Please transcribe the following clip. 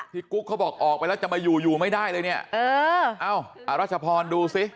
กุ๊กเขาบอกออกไปแล้วจะมาอยู่อยู่ไม่ได้เลยเนี่ยเออเอ้าอรัชพรดูสิ